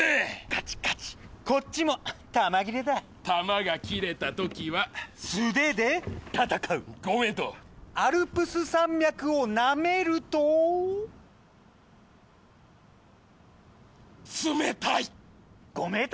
カチカチこっちも弾切れだ弾が切れたときは素手で戦うご名答アルプス山脈をなめると冷たいご名答！